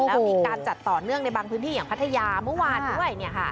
ก็มีการจัดต่อเนื่องในบางพื้นที่อย่างพัทยาเมื่อวานด้วย